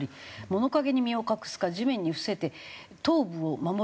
「物陰に身を隠すか地面に伏せて頭部を守る」って。